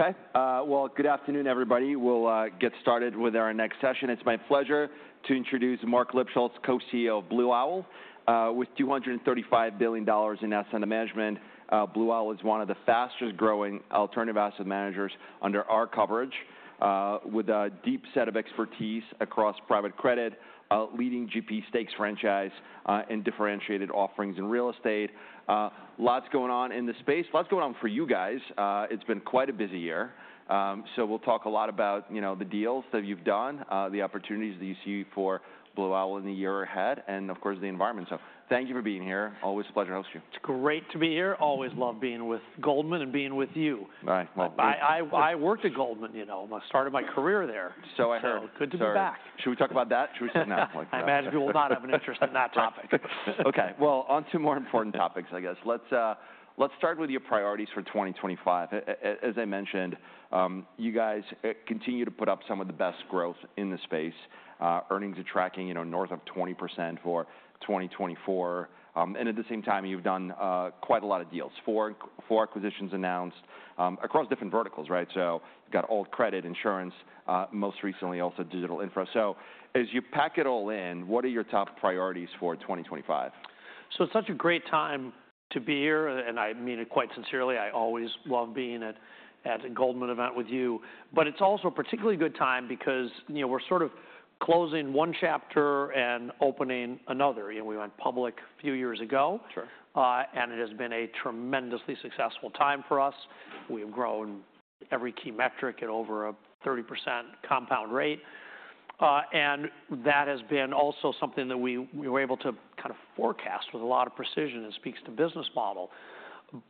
Okay. Well, good afternoon, everybody. We'll get started with our next session. It's my pleasure to introduce Marc Lipschultz, Co-CEO of Blue Owl. With $235 billion in asset management, Blue Owl is one of the fastest-growing alternative asset managers under our coverage, with a deep set of expertise across private credit, leading GP Stakes franchise, and differentiated offerings in real estate. Lots going on in the space. Lots going on for you guys. It's been quite a busy year. So we'll talk a lot about the deals that you've done, the opportunities that you see for Blue Owl in the year ahead, and of course, the environment. So thank you for being here. Always a pleasure to host you. It's great to be here. Always love being with Goldman and being with you. All right. I worked at Goldman. I started my career there. So I heard. Good to be back. Should we talk about that? Should we sit down? I imagine you will not have an interest in that topic. Okay. Well, onto more important topics, I guess. Let's start with your priorities for 2025. As I mentioned, you guys continue to put up some of the best growth in the space. Earnings are tracking north of 20% for 2024. And at the same time, you've done quite a lot of deals, four acquisitions announced across different verticals, right? So you've got alt credit, insurance, most recently also digital infra. So as you pack it all in, what are your top priorities for 2025? So it's such a great time to be here. And I mean it quite sincerely. I always love being at a Goldman event with you. But it's also a particularly good time because we're sort of closing one chapter and opening another. We went public a few years ago. And it has been a tremendously successful time for us. We have grown every key metric at over a 30% compound rate. And that has been also something that we were able to kind of forecast with a lot of precision and speaks to business model.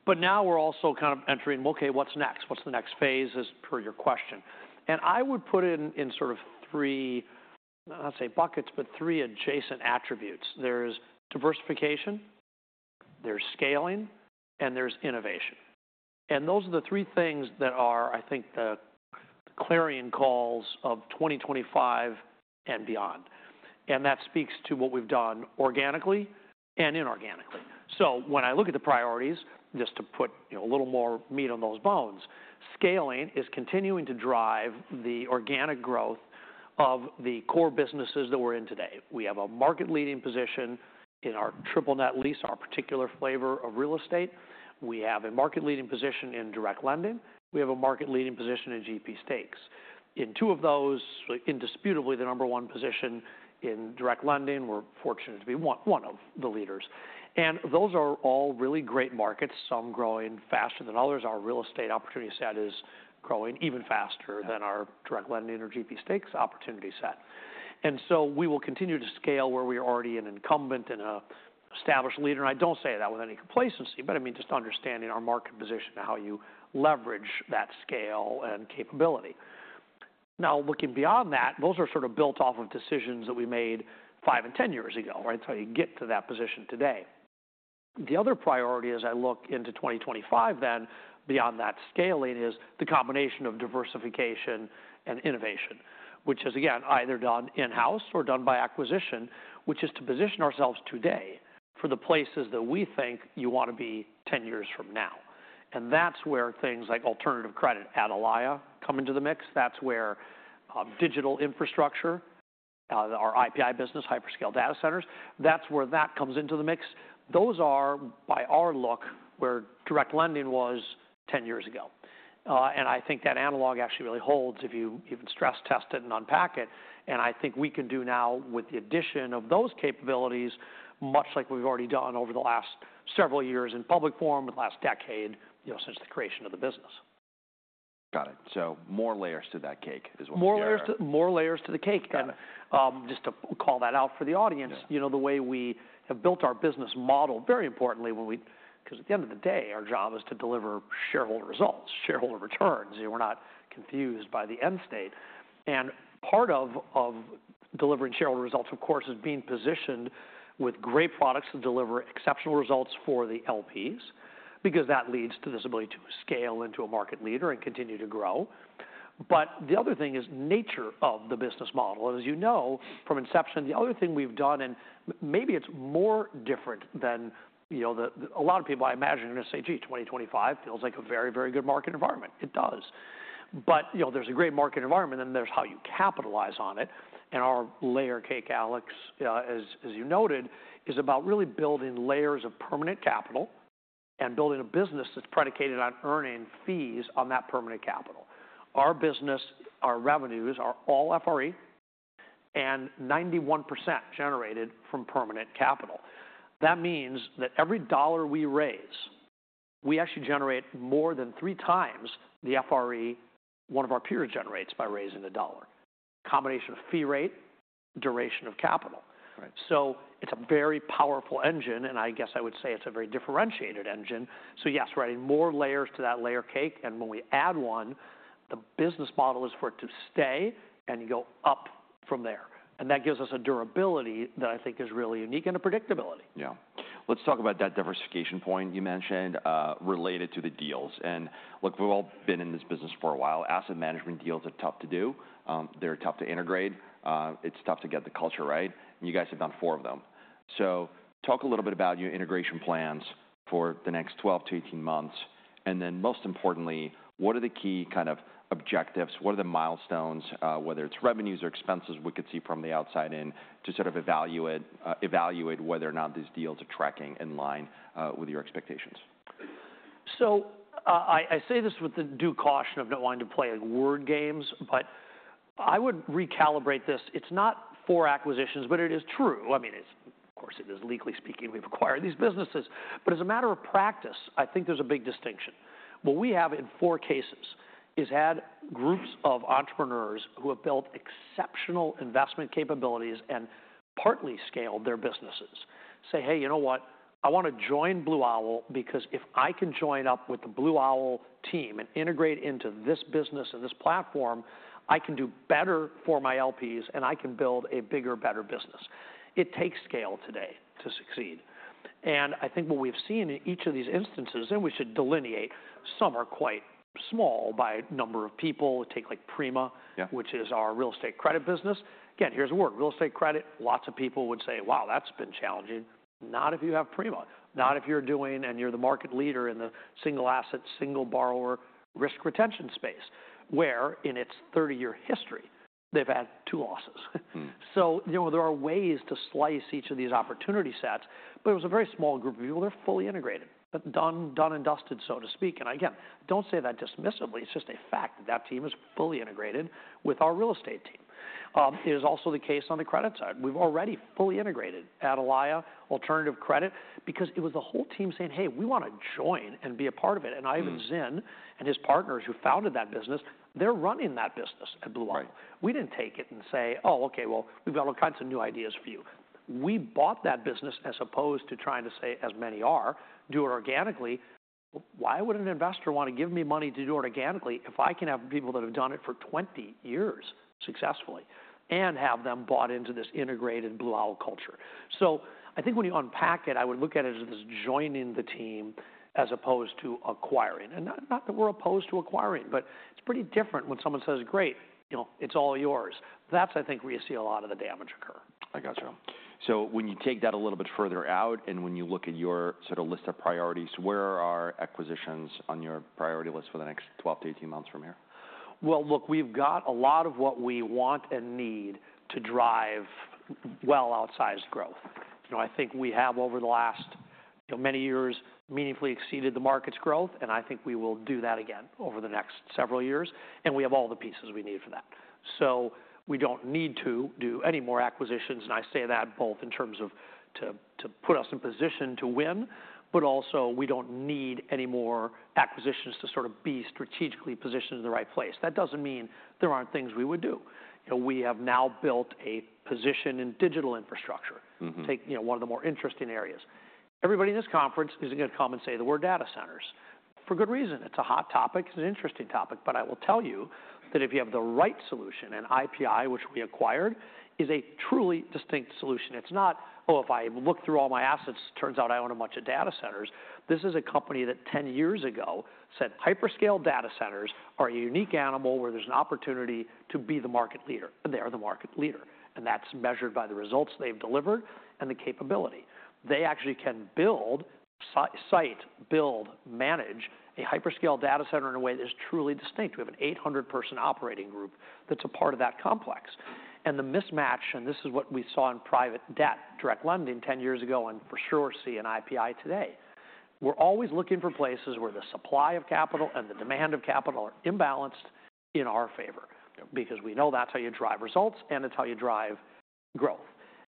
But now we're also kind of entering, okay, what's next? What's the next phase, as per your question? And I would put it in sort of three, not say buckets, but three adjacent attributes. There's diversification, there's scaling, and there's innovation. Those are the three things that are, I think, the clarion calls of 2025 and beyond. That speaks to what we've done organically and inorganically. When I look at the priorities, just to put a little more meat on those bones, scaling is continuing to drive the organic growth of the core businesses that we're in today. We have a market-leading position in our triple net lease, our particular flavor of real estate. We have a market-leading position in direct lending. We have a market-leading position in GP Stakes. In two of those, indisputably the number one position in direct lending, we're fortunate to be one of the leaders. Those are all really great markets, some growing faster than others. Our real estate opportunity set is growing even faster than our direct lending or GP Stakes opportunity set. And so we will continue to scale where we are already an incumbent and an established leader. And I don't say that with any complacency, but I mean just understanding our market position and how you leverage that scale and capability. Now, looking beyond that, those are sort of built off of decisions that we made five and ten years ago, right? So you get to that position today. The other priority as I look into 2025 then, beyond that scaling, is the combination of diversification and innovation, which is, again, either done in-house or done by acquisition, which is to position ourselves today for the places that we think you want to be ten years from now. And that's where things like alternative credit at Atalaya come into the mix. That's where digital infrastructure, our IPI business, hyperscale data centers, that's where that comes into the mix. Those are, by our look, where direct lending was ten years ago. And I think that analogy actually really holds if you even stress test it and unpack it. And I think we can do now with the addition of those capabilities, much like we've already done over the last several years in public form, the last decade since the creation of the business. Got it, so more layers to that cake is what we're saying. More layers to the cake, and just to call that out for the audience, the way we have built our business model, very importantly, because at the end of the day, our job is to deliver shareholder results, shareholder returns. We're not confused by the end state, and part of delivering shareholder results, of course, is being positioned with great products to deliver exceptional results for the LPs, because that leads to this ability to scale into a market leader and continue to grow. But the other thing is nature of the business model. As you know, from inception, the other thing we've done, and maybe it's more different than a lot of people, I imagine, are going to say, "Gee, 2025 feels like a very, very good market environment." It does, but there's a great market environment, and then there's how you capitalize on it. Our layer cake, Alex, as you noted, is about really building layers of permanent capital and building a business that's predicated on earning fees on that permanent capital. Our business, our revenues are all FRE, and 91% generated from permanent capital. That means that every dollar we raise, we actually generate more than three times the FRE one of our peers generates by raising a dollar. Combination of fee rate, duration of capital. So it's a very powerful engine, and I guess I would say it's a very differentiated engine. So yes, we're adding more layers to that layer cake. And when we add one, the business model is for it to stay, and you go up from there. And that gives us a durability that I think is really unique and a predictability. Yeah. Let's talk about that diversification point you mentioned related to the deals. And look, we've all been in this business for a while. Asset management deals are tough to do. They're tough to integrate. It's tough to get the culture right. And you guys have done four of them. So talk a little bit about your integration plans for the next 12 to 18 months. And then most importantly, what are the key kind of objectives? What are the milestones, whether it's revenues or expenses we could see from the outside in, to sort of evaluate whether or not these deals are tracking in line with your expectations? I say this with the due caution of not wanting to play word games, but I would recalibrate this. It's not four acquisitions, but it is true. I mean, of course, it is legally speaking, we've acquired these businesses. But as a matter of practice, I think there's a big distinction. What we have in four cases is had groups of entrepreneurs who have built exceptional investment capabilities and partly scaled their businesses say, "Hey, you know what? I want to join Blue Owl because if I can join up with the Blue Owl team and integrate into this business and this platform, I can do better for my LPs and I can build a bigger, better business." It takes scale today to succeed. I think what we've seen in each of these instances, and we should delineate, some are quite small by number of people. Take Prima, which is our real estate credit business. Again, here's a word, real estate credit. Lots of people would say, "Wow, that's been challenging." Not if you have Prima. Not if you're doing and you're the market leader in the single-asset single-borrower risk retention space, where in its 30-year history, they've had two losses. So there are ways to slice each of these opportunity sets, but it was a very small group of people. They're fully integrated, done and dusted, so to speak. And again, don't say that dismissively. It's just a fact that that team is fully integrated with our real estate team. It is also the case on the credit side. We've already fully integrated at Atalaya alternative credit because it was the whole team saying, "Hey, we want to join and be a part of it." And Ivan Zinn and his partners who founded that business, they're running that business at Blue Owl. We didn't take it and say, "Oh, okay, well, we've got all kinds of new ideas for you." We bought that business as opposed to trying to say, "As many are, do it organically." Why would an investor want to give me money to do it organically if I can have people that have done it for 20 years successfully and have them bought into this integrated Blue Owl culture? So I think when you unpack it, I would look at it as this joining the team as opposed to acquiring. Not that we're opposed to acquiring, but it's pretty different when someone says, "Great, it's all yours." That's, I think, where you see a lot of the damage occur. I gotcha. So when you take that a little bit further out and when you look at your sort of list of priorities, where are acquisitions on your priority list for the next 12-18 months from here? Look, we've got a lot of what we want and need to drive well-outsized growth. I think we have over the last many years meaningfully exceeded the market's growth, and I think we will do that again over the next several years. We have all the pieces we need for that. We don't need to do any more acquisitions. I say that both in terms of to put us in position to win, but also we don't need any more acquisitions to sort of be strategically positioned in the right place. That doesn't mean there aren't things we would do. We have now built a position in digital infrastructure, one of the more interesting areas. Everybody in this conference is going to come and say the word data centers for good reason. It's a hot topic. It's an interesting topic. But I will tell you that if you have the right solution, an IPI, which we acquired, is a truly distinct solution. It's not, "Oh, if I look through all my assets, turns out I own a bunch of data centers." This is a company that ten years ago said hyperscale data centers are a unique animal where there's an opportunity to be the market leader. And they are the market leader. And that's measured by the results they've delivered and the capability. They actually can build, site, build, manage a hyperscale data center in a way that is truly distinct. We have an 800-person operating group that's a part of that complex. And the mismatch, and this is what we saw in private debt direct lending ten years ago, and for sure see in IPI today. We're always looking for places where the supply of capital and the demand of capital are imbalanced in our favor because we know that's how you drive results and it's how you drive growth.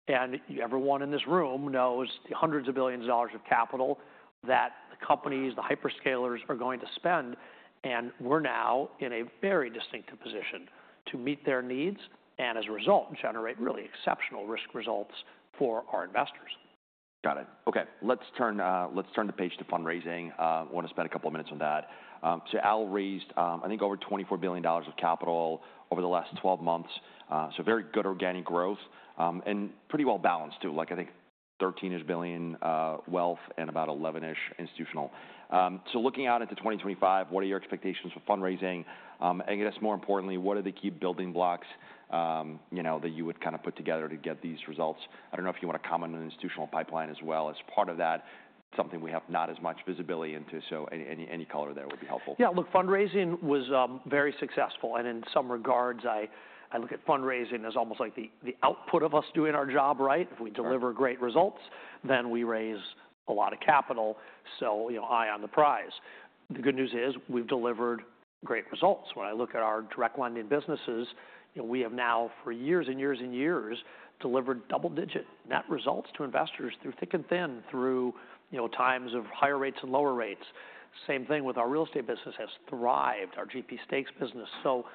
And everyone in this room knows hundreds of billions of dollars of capital that the companies, the hyperscalers are going to spend. And we're now in a very distinctive position to meet their needs and as a result, generate really exceptional risk results for our investors. Got it. Okay. Let's turn the page to fundraising. I want to spend a couple of minutes on that. So Owl raised, I think, over $24 billion of capital over the last 12 months. So very good organic growth and pretty well balanced too. I think 13-ish billion wealth and about 11-ish institutional. So looking out into 2025, what are your expectations for fundraising? And I guess more importantly, what are the key building blocks that you would kind of put together to get these results? I don't know if you want to comment on institutional pipeline as well. As part of that, something we have not as much visibility into. So any color there would be helpful. Yeah. Look, fundraising was very successful, and in some regards, I look at fundraising as almost like the output of us doing our job right. If we deliver great results, then we raise a lot of capital, so eye on the prize. The good news is we've delivered great results. When I look at our direct lending businesses, we have now for years and years and years delivered double-digit net results to investors through thick and thin, through times of higher rates and lower rates. Same thing with our real estate business has thrived, our GP Stakes business. So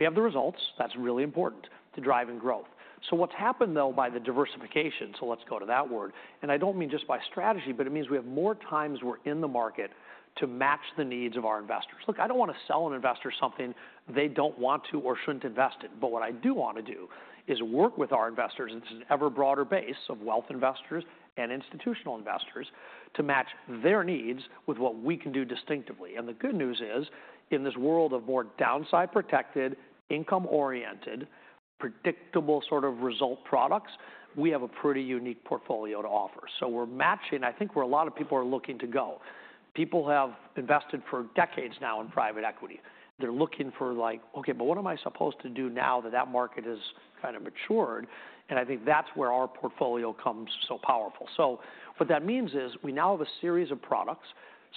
we have the results. That's really important to driving growth. So what's happened though by the diversification, so let's go to that word, and I don't mean just by strategy, but it means we have more times we're in the market to match the needs of our investors. Look, I don't want to sell an investor something they don't want to or shouldn't invest in. But what I do want to do is work with our investors in this ever broader base of wealth investors and institutional investors to match their needs with what we can do distinctively. And the good news is in this world of more downside protected, income-oriented, predictable sort of result products, we have a pretty unique portfolio to offer. So we're matching. I think where a lot of people are looking to go. People have invested for decades now in private equity. They're looking for like, "Okay, but what am I supposed to do now that that market has kind of matured?" And I think that's where our portfolio comes so powerful. So what that means is we now have a series of products,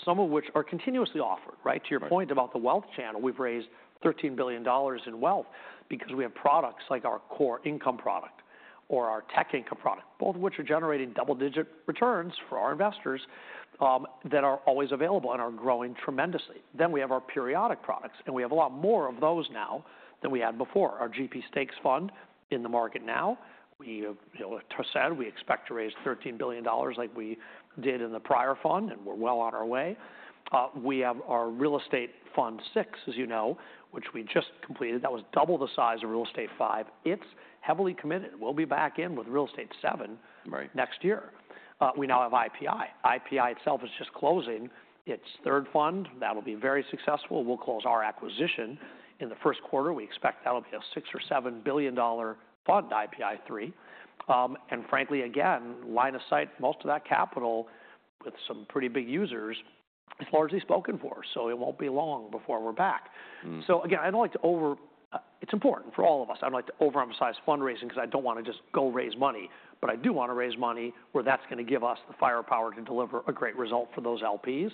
some of which are continuously offered, right? To your point about the wealth channel, we've raised $13 billion in wealth because we have products like our Core Income product or our Tech Income product, both of which are generating double-digit returns for our investors that are always available and are growing tremendously. Then we have our periodic products, and we have a lot more of those now than we had before. Our GP Stakes fund in the market now. We have said we expect to raise $13 billion like we did in the prior fund, and we're well on our way. We have our Real Estate Fund VI, as you know, which we just completed. That was double the size of Real Estate V. It's heavily committed. We'll be back in with Real Estate VII next year. We now have IPI. IPI itself is just closing its third fund. That'll be very successful. We'll close our acquisition in the first quarter. We expect that'll be a $6-$7 billion fund, IPI III. And frankly, again, line of sight, most of that capital with some pretty big users is largely spoken for. So it won't be long before we're back. So again, I don't like to over- it's important for all of us. I don't like to overemphasize fundraising because I don't want to just go raise money, but I do want to raise money where that's going to give us the firepower to deliver a great result for those LPs.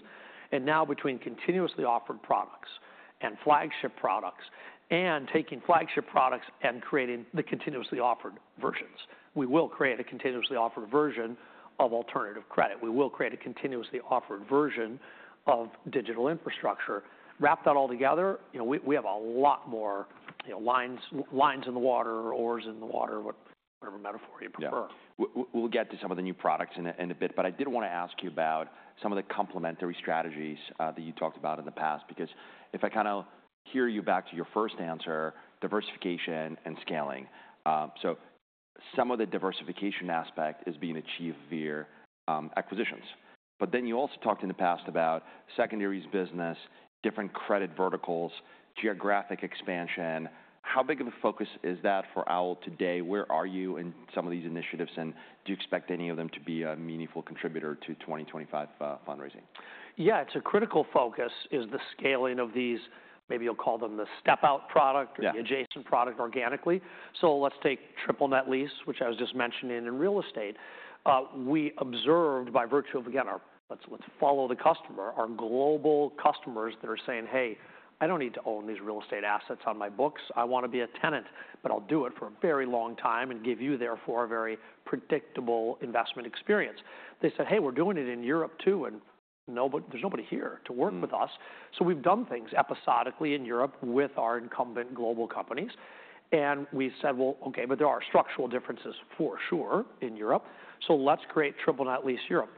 And now between continuously offered products and flagship products and taking flagship products and creating the continuously offered versions, we will create a continuously offered version of alternative credit. We will create a continuously offered version of digital infrastructure. Wrap that all together. We have a lot more lines in the water, oars in the water, whatever metaphor you prefer. We'll get to some of the new products in a bit, but I did want to ask you about some of the complementary strategies that you talked about in the past, because if I kind of hark back to your first answer, diversification and scaling. So some of the diversification aspect is being achieved via acquisitions. But then you also talked in the past about secondary business, different credit verticals, geographic expansion. How big of a focus is that for Owl today? Where are you in some of these initiatives? And do you expect any of them to be a meaningful contributor to 2025 fundraising? Yeah, it's a critical focus is the scaling of these, maybe you'll call them the step-out product or the adjacent product organically. So let's take triple net lease, which I was just mentioning in real estate. We observed by virtue of, again, let's follow the customer, our global customers that are saying, "Hey, I don't need to own these real estate assets on my books. I want to be a tenant, but I'll do it for a very long time and give you therefore a very predictable investment experience." They said, "Hey, we're doing it in Europe too." And there's nobody here to work with us. So we've done things episodically in Europe with our incumbent global companies. And we said, "Well, okay, but there are structural differences for sure in Europe. “So let's create Triple Net Lease Europe.”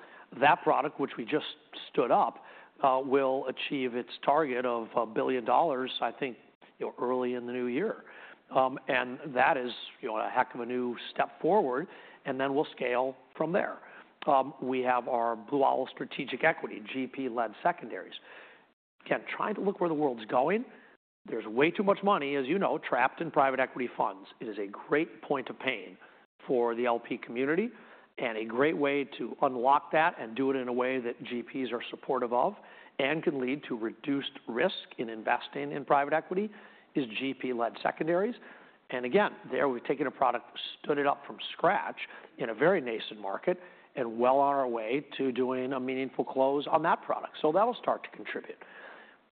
That product, which we just stood up, will achieve its target of $1 billion, I think, early in the new year. That is a heck of a new step forward. Then we'll scale from there. We have our Blue Owl Strategic Equity, GP-led secondaries. Again, trying to look where the world's going. There's way too much money, as you know, trapped in private equity funds. It is a great point of pain for the LP community and a great way to unlock that and do it in a way that GPs are supportive of and can lead to reduced risk in investing in private equity is GP-led secondaries. Again, there we've taken a product, stood it up from scratch in a very nascent market and well on our way to doing a meaningful close on that product. So that'll start to contribute.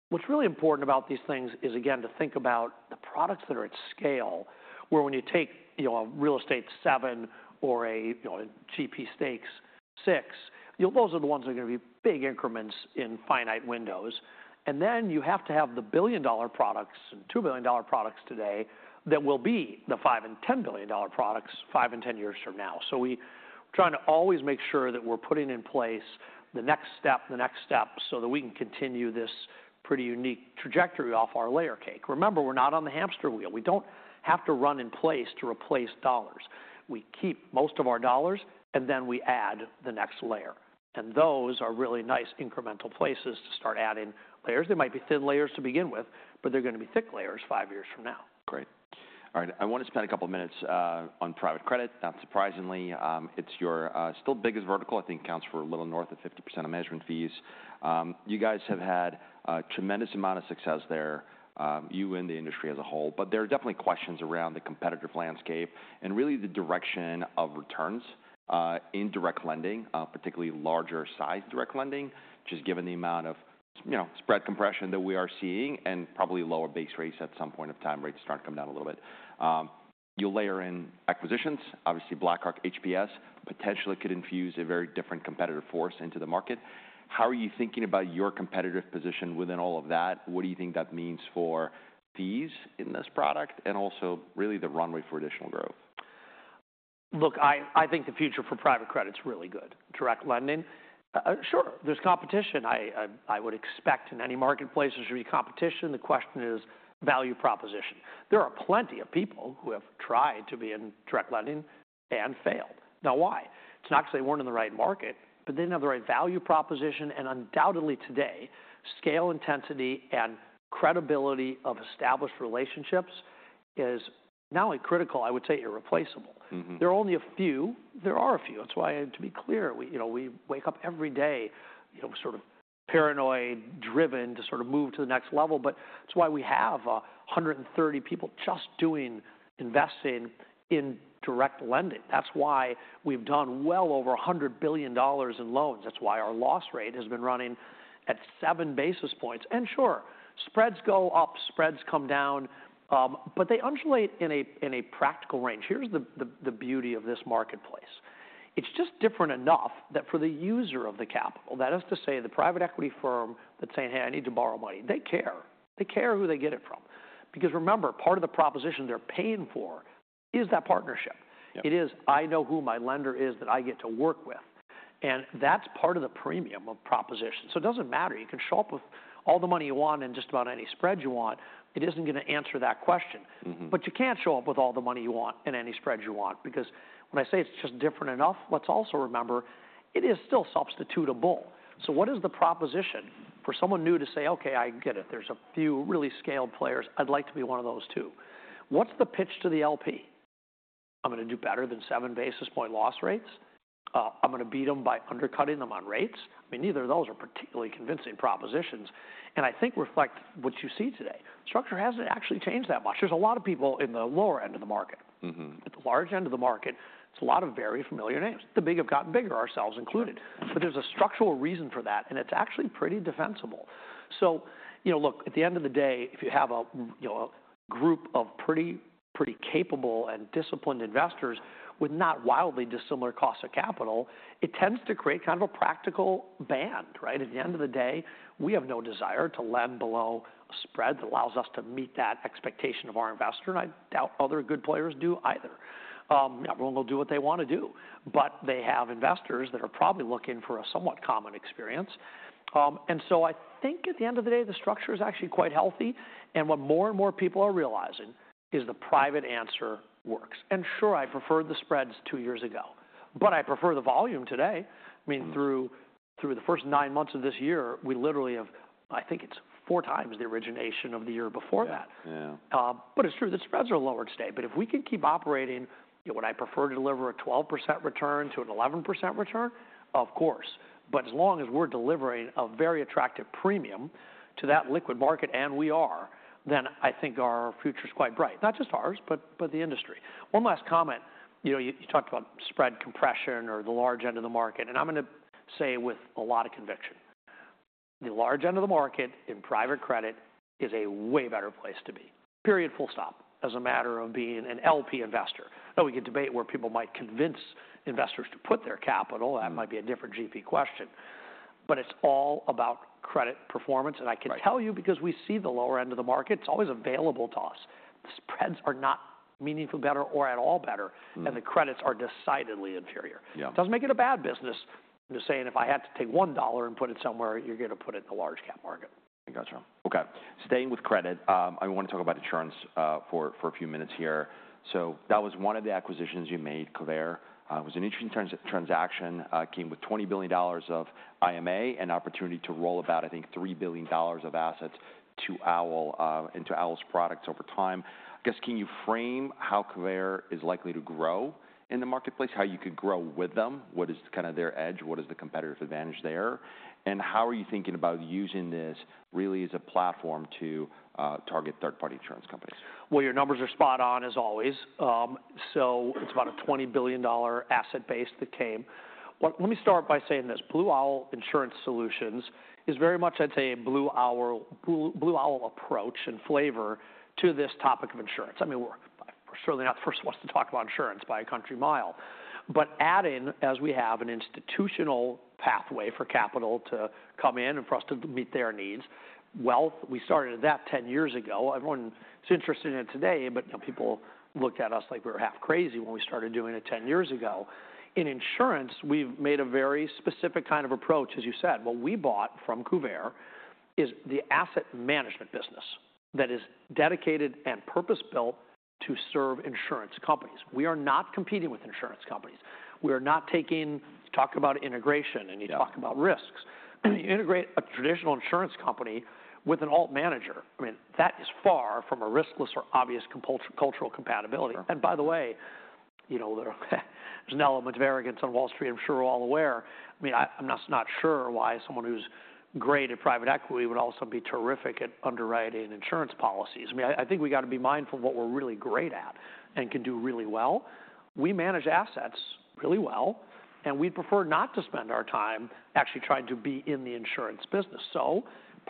What's really important about these things is, again, to think about the products that are at scale where when you take a Real Estate seven or a GP Stakes VI, those are the ones that are going to be big increments in finite windows. And then you have to have the billion-dollar products and $2 billion products today that will be the five and $10 billion products five and ten years from now. So we're trying to always make sure that we're putting in place the next step, the next step so that we can continue this pretty unique trajectory off our layer cake. Remember, we're not on the hamster wheel. We don't have to run in place to replace dollars. We keep most of our dollars and then we add the next layer. And those are really nice incremental places to start adding layers. They might be thin layers to begin with, but they're going to be thick layers five years from now. Great. All right. I want to spend a couple of minutes on private credit. Not surprisingly, it's your still biggest vertical. I think it accounts for a little north of 50% of management fees. You guys have had a tremendous amount of success there, you and the industry as a whole, but there are definitely questions around the competitive landscape and really the direction of returns in direct lending, particularly larger size direct lending, just given the amount of spread compression that we are seeing and probably lower base rates at some point of time, rates starting to come down a little bit. You'll layer in acquisitions. Obviously, BlackRock, HPS potentially could infuse a very different competitive force into the market. How are you thinking about your competitive position within all of that? What do you think that means for fees in this product and also really the runway for additional growth? Look, I think the future for private credit is really good. Direct lending, sure, there's competition. I would expect in any marketplace there should be competition. The question is value proposition. There are plenty of people who have tried to be in direct lending and failed. Now, why? It's not because they weren't in the right market, but they didn't have the right value proposition, and undoubtedly today, scale intensity and credibility of established relationships is not only critical, I would say irreplaceable. There are only a few. There are a few. That's why, to be clear, we wake up every day sort of paranoid-driven to sort of move to the next level, but that's why we have 130 people just doing investing in direct lending. That's why we've done well over $100 billion in loans. That's why our loss rate has been running at seven basis points. And sure, spreads go up, spreads come down, but they undulate in a practical range. Here's the beauty of this marketplace. It's just different enough that for the user of the capital, that is to say the private equity firm that's saying, "Hey, I need to borrow money," they care. They care who they get it from. Because remember, part of the proposition they're paying for is that partnership. It is, "I know who my lender is that I get to work with." And that's part of the premium of proposition. So it doesn't matter. You can show up with all the money you want and just about any spread you want. It isn't going to answer that question. But you can't show up with all the money you want and any spread you want. Because when I say it's just different enough, let's also remember it is still substitutable. So what is the proposition for someone new to say, "Okay, I get it. There's a few really scaled players. I'd like to be one of those too." What's the pitch to the LP? I'm going to do better than seven basis point loss rates. I'm going to beat them by undercutting them on rates. I mean, neither of those are particularly convincing propositions. And I think reflect what you see today. Structure hasn't actually changed that much. There's a lot of people in the lower end of the market. At the large end of the market, it's a lot of very familiar names. The big have gotten bigger, ourselves included. But there's a structural reason for that, and it's actually pretty defensible. So look, at the end of the day, if you have a group of pretty capable and disciplined investors with not wildly dissimilar costs of capital, it tends to create kind of a practical band, right? At the end of the day, we have no desire to lend below a spread that allows us to meet that expectation of our investor. And I doubt other good players do either. Everyone will do what they want to do, but they have investors that are probably looking for a somewhat common experience. And so I think at the end of the day, the structure is actually quite healthy. And what more and more people are realizing is the private answer works. And sure, I preferred the spreads two years ago, but I prefer the volume today. I mean, through the first nine months of this year, we literally have, I think it's four times the origination of the year before that. But it's true that spreads are lower today. But if we can keep operating, would I prefer to deliver a 12% return to an 11% return? Of course. But as long as we're delivering a very attractive premium to that liquid market, and we are, then I think our future is quite bright, not just ours, but the industry. One last comment. You talked about spread compression or the large end of the market, and I'm going to say with a lot of conviction, the large end of the market in private credit is a way better place to be. Period, full stop. As a matter of being an LP investor. Now, we could debate where people might convince investors to put their capital. That might be a different GP question. But it's all about credit performance. And I can tell you, because we see the lower end of the market, it's always available to us. The spreads are not meaningfully better or at all better, and the credits are decidedly inferior. It doesn't make it a bad business. I'm just saying if I had to take $1 and put it somewhere, you're going to put it in the large cap market. I gotcha. Okay. Staying with credit, I want to talk about insurance for a few minutes here. So that was one of the acquisitions you made, Kuvare. It was an interesting transaction. Came with $20 billion of IMA and opportunity to roll about, I think, $3 billion of assets to Owl and to Owl's products over time. I guess, can you frame how Kuvare is likely to grow in the marketplace, how you could grow with them? What is kind of their edge? What is the competitive advantage there? And how are you thinking about using this really as a platform to target third-party insurance companies? Your numbers are spot on, as always. It's about a $20 billion asset base that came. Let me start by saying this. Blue Owl Insurance Solutions is very much, I'd say, a Blue Owl approach and flavor to this topic of insurance. I mean, we're certainly not the first ones to talk about insurance by a country mile. But adding, as we have an institutional pathway for capital to come in and for us to meet their needs. Wealth, we started that 10 years ago. Everyone's interested in it today, but people looked at us like we were half crazy when we started doing it 10 years ago. In insurance, we've made a very specific kind of approach, as you said. What we bought from Kuvare is the asset management business that is dedicated and purpose-built to serve insurance companies. We are not competing with insurance companies. We're not talking about integration, and you talk about risks. You integrate a traditional insurance company with an alt manager. I mean, that is far from a riskless or obvious cultural compatibility. And by the way, there's an element of arrogance on Wall Street, I'm sure we're all aware. I mean, I'm not sure why someone who's great at private equity would also be terrific at underwriting insurance policies. I mean, I think we got to be mindful of what we're really great at and can do really well. We manage assets really well, and we'd prefer not to spend our time actually trying to be in the insurance business.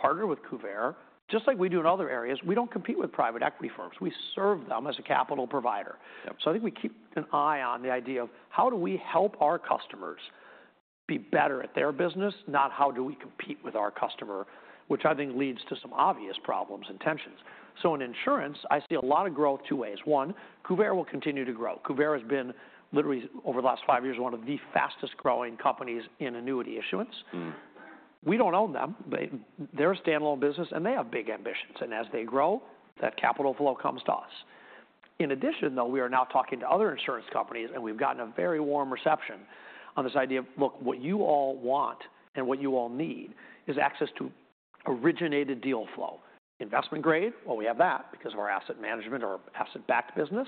Partner with Kuvare, just like we do in other areas. We don't compete with private equity firms. We serve them as a capital provider. So I think we keep an eye on the idea of how do we help our customers be better at their business, not how do we compete with our customer, which I think leads to some obvious problems and tensions. So in insurance, I see a lot of growth two ways. One, Kuvare will continue to grow. Kuvare has been literally over the last five years one of the fastest growing companies in annuity issuance. We don't own them, but they're a standalone business and they have big ambitions. And as they grow, that capital flow comes to us. In addition, though, we are now talking to other insurance companies and we've gotten a very warm reception on this idea of, look, what you all want and what you all need is access to originated deal flow. Investment-grade, well, we have that because of our asset management or asset-backed business.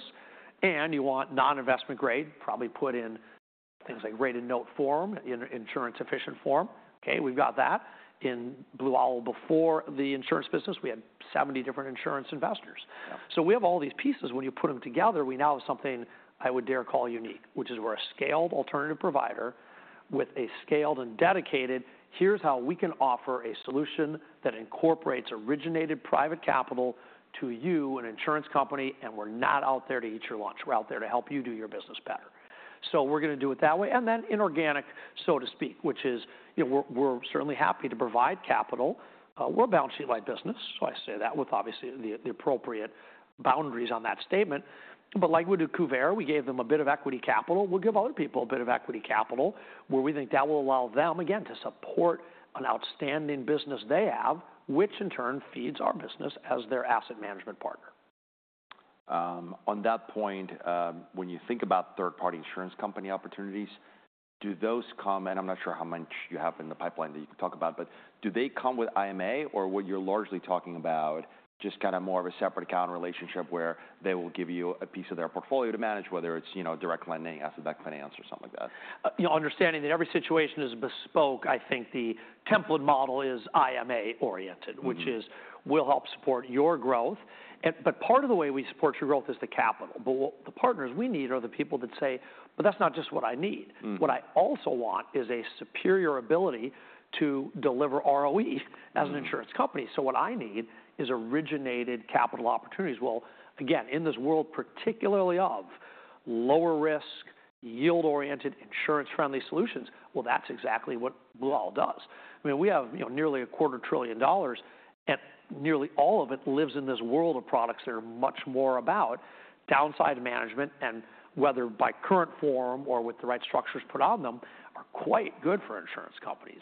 And you want non-investment-grade, probably put in things like rated-note form, insurance-efficient form. Okay, we've got that. In Blue Owl, before the insurance business, we had 70 different insurance investors. So we have all these pieces. When you put them together, we now have something I would dare call unique, which is we're a scaled alternative provider with a scaled and dedicated, here's how we can offer a solution that incorporates originated private capital to you, an insurance company, and we're not out there to eat your lunch. We're out there to help you do your business better. So we're going to do it that way. And then inorganic, so to speak, which is we're certainly happy to provide capital. We're a balance sheet-like business. So I say that with obviously the appropriate boundaries on that statement. But like we do Kuvare, we gave them a bit of equity capital. We'll give other people a bit of equity capital where we think that will allow them, again, to support an outstanding business they have, which in turn feeds our business as their asset management partner. On that point, when you think about third-party insurance company opportunities, do those come and I'm not sure how much you have in the pipeline that you can talk about, but do they come with IMA or what you're largely talking about, just kind of more of a separate account relationship where they will give you a piece of their portfolio to manage, whether it's direct lending, asset-backed finance, or something like that? Understanding that every situation is bespoke, I think the template model is IMA-oriented, which is we'll help support your growth. But part of the way we support your growth is the capital. But the partners we need are the people that say, "But that's not just what I need. What I also want is a superior ability to deliver ROE as an insurance company. So what I need is originated capital opportunities." Again, in this world, particularly of lower risk, yield-oriented, insurance-friendly solutions, that's exactly what Blue Owl does. I mean, we have nearly $250 billion, and nearly all of it lives in this world of products that are much more about downside management and whether by current form or with the right structures put on them are quite good for insurance companies.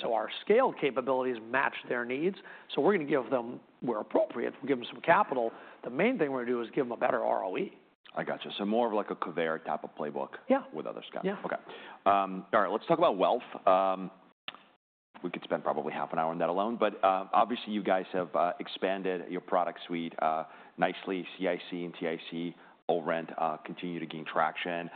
So our scale capabilities match their needs. So we're going to give them, where appropriate, we'll give them some capital. The main thing we're going to do is give them a better ROE. I gotcha. So more of like a Kuvare type of playbook with other scale. Yeah. Okay. All right. Let's talk about wealth. We could spend probably half an hour on that alone. But obviously, you guys have expanded your product suite nicely. OCIC and OTIC, ORENT continue to gain traction.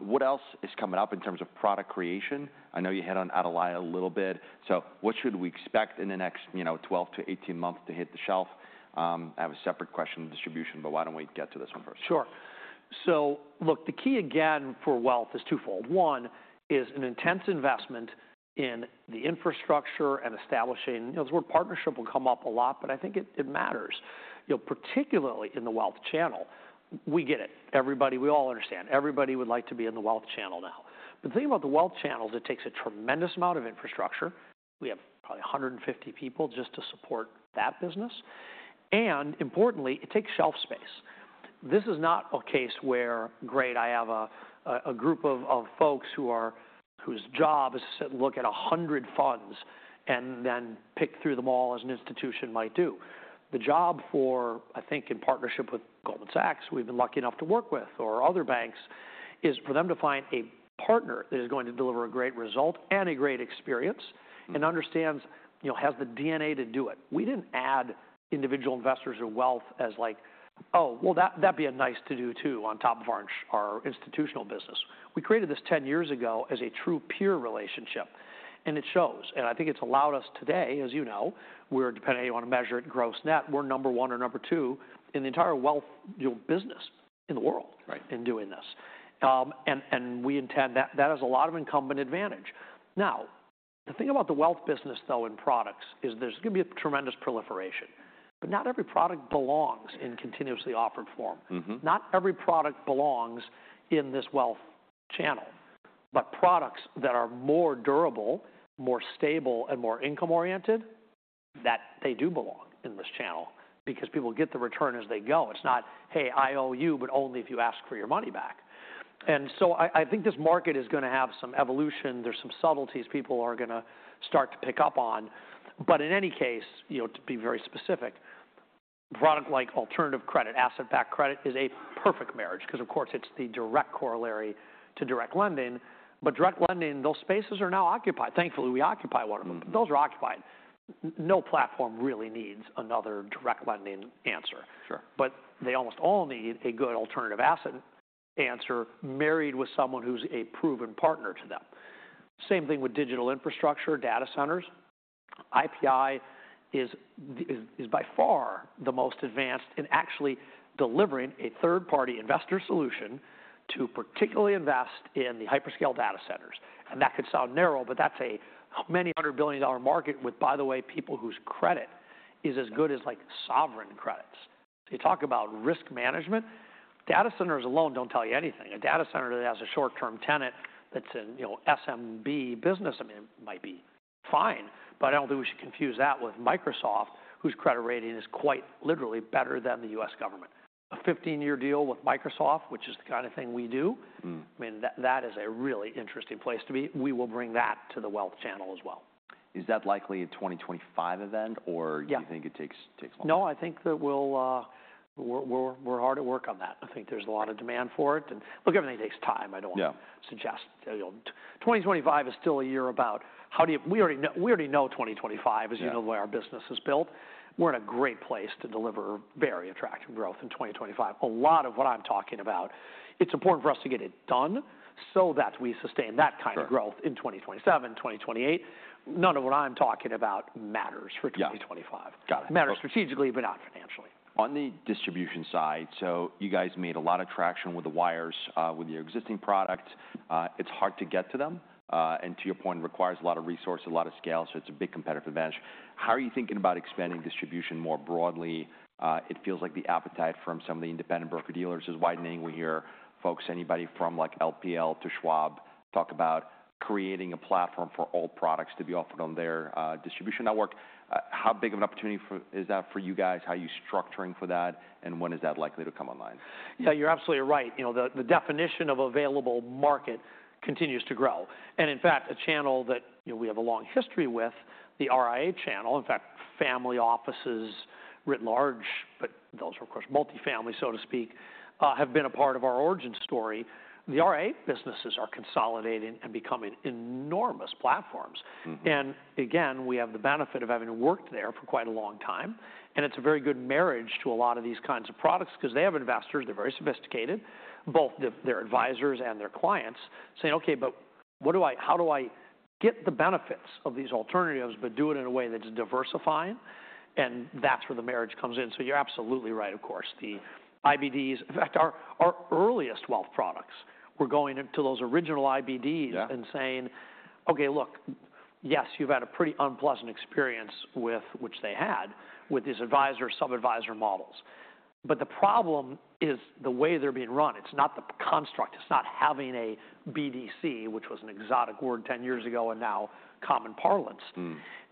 What else is coming up in terms of product creation? I know you hit on Atalaya a little bit. So what should we expect in the next 12-18 months to hit the shelf? I have a separate question on distribution, but why don't we get to this one first? Sure. So look, the key again for wealth is twofold. One is an intense investment in the infrastructure and establishing. This word partnership will come up a lot, but I think it matters, particularly in the wealth channel. We get it. We all understand. Everybody would like to be in the wealth channel now. But the thing about the wealth channel is it takes a tremendous amount of infrastructure. We have probably 150 people just to support that business. And importantly, it takes shelf space. This is not a case where, great, I have a group of folks whose job is to look at 100 funds and then pick through them all as an institution might do. The job for, I think, in partnership with Goldman Sachs, we've been lucky enough to work with, or other banks, is for them to find a partner that is going to deliver a great result and a great experience and understands, has the DNA to do it. We didn't add individual investors or wealth as like, "Oh, well, that'd be nice to do too on top of our institutional business." We created this 10 years ago as a true peer relationship, and it shows. And I think it's allowed us today, as you know, depending on how you want to measure it, gross net, we're number one or number two in the entire wealth business in the world in doing this. And we intend that has a lot of incumbent advantage. Now, the thing about the wealth business, though, in products is there's going to be a tremendous proliferation, but not every product belongs in continuously offered form. Not every product belongs in this wealth channel. But products that are more durable, more stable, and more income-oriented, they do belong in this channel because people get the return as they go. It's not, "Hey, I owe you, but only if you ask for your money back." And so I think this market is going to have some evolution. There's some subtleties people are going to start to pick up on. But in any case, to be very specific, product like alternative credit, asset-backed credit is a perfect marriage because, of course, it's the direct corollary to direct lending. But direct lending, those spaces are now occupied. Thankfully, we occupy one of them. Those are occupied. No platform really needs another direct lending answer. But they almost all need a good alternative asset answer married with someone who's a proven partner to them. Same thing with digital infrastructure, data centers. IPI is by far the most advanced in actually delivering a third-party investor solution to particularly invest in the hyperscale data centers. And that could sound narrow, but that's a many hundred billion dollar market with, by the way, people whose credit is as good as sovereign credits. So you talk about risk management, data centers alone don't tell you anything. A data center that has a short-term tenant that's an SMB business, I mean, it might be fine, but I don't think we should confuse that with Microsoft, whose credit rating is quite literally better than the U.S. government. A 15-year deal with Microsoft, which is the kind of thing we do, I mean, that is a really interesting place to be. We will bring that to the wealth channel as well. Is that likely a 2025 event, or do you think it takes longer? No, I think that we're hard at work on that. I think there's a lot of demand for it. And look, everything takes time. I don't want to suggest 2025 is still a year about how do we already know 2025, as you know, the way our business is built. We're in a great place to deliver very attractive growth in 2025. A lot of what I'm talking about, it's important for us to get it done so that we sustain that kind of growth in 2027, 2028. None of what I'm talking about matters for 2025. Matters strategically, but not financially. On the distribution side, so you guys made a lot of traction with the wires with your existing product. It's hard to get to them. And to your point, it requires a lot of resources, a lot of scale. So it's a big competitive advantage. How are you thinking about expanding distribution more broadly? It feels like the appetite from some of the independent broker dealers is widening. We hear folks, anybody from LPL to Schwab, talk about creating a platform for alt products to be offered on their distribution network. How big of an opportunity is that for you guys? How are you structuring for that? And when is that likely to come online? Yeah, you're absolutely right. The definition of available market continues to grow. And in fact, a channel that we have a long history with, the RIA channel, in fact, family offices writ large, but those are, of course, multifamily, so to speak, have been a part of our origin story. The RIA businesses are consolidating and becoming enormous platforms. And again, we have the benefit of having worked there for quite a long time. And it's a very good marriage to a lot of these kinds of products because they have investors. They're very sophisticated, both their advisors and their clients, saying, "Okay, but how do I get the benefits of these alternatives, but do it in a way that's diversifying?" And that's where the marriage comes in. So you're absolutely right, of course. The IBDs, in fact, our earliest wealth products, we're going into those original IBDs and saying, "Okay, look, yes, you've had a pretty unpleasant experience with," which they had, "with these advisor, sub-advisor models." But the problem is the way they're being run. It's not the construct. It's not having a BDC, which was an exotic word 10 years ago and now common parlance.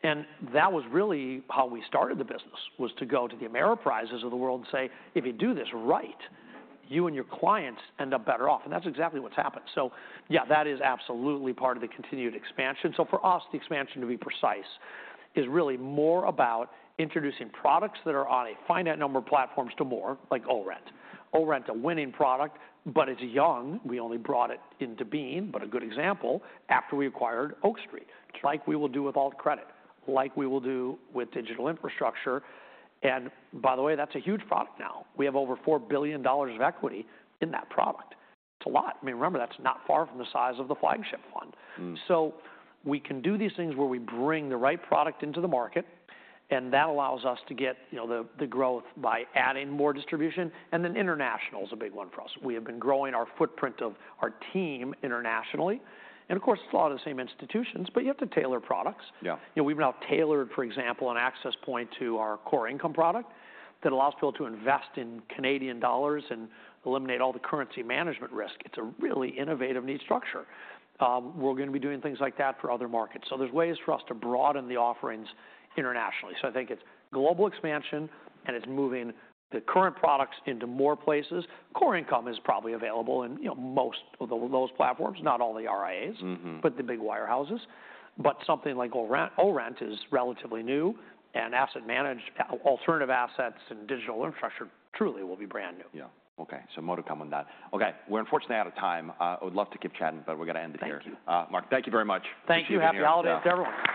And that was really how we started the business, was to go to the Ameriprise of the world and say, "If you do this right, you and your clients end up better off." And that's exactly what's happened. So yeah, that is absolutely part of the continued expansion. So for us, the expansion, to be precise, is really more about introducing products that are on a finite number of platforms to more, like ORENT. ORENT, a winning product, but it's young. We only brought it into being, but a good example after we acquired Oak Street, like we will do with alt credit, like we will do with digital infrastructure. And by the way, that's a huge product now. We have over $4 billion of equity in that product. It's a lot. I mean, remember, that's not far from the size of the flagship fund. So we can do these things where we bring the right product into the market, and that allows us to get the growth by adding more distribution. And then international is a big one for us. We have been growing our footprint of our team internationally. And of course, it's a lot of the same institutions, but you have to tailor products. We've now tailored, for example, an access point to our Core Income product that allows people to invest in Canadian dollars and eliminate all the currency management risk. It's a really innovative deal structure. We're going to be doing things like that for other markets. So there's ways for us to broaden the offerings internationally. So I think it's global expansion, and it's moving the current products into more places. Core Income is probably available in most of those platforms, not all the RIAs, but the big wirehouses. But something like ORENT is relatively new, and asset-managed alternative assets and digital infrastructure truly will be brand new. Yeah. Okay. So more to come on that. Okay. We're unfortunately out of time. I would love to keep chatting, but we're going to end it here. Thank you. Marc, thank you very much. Thank you. Happy holidays to everyone.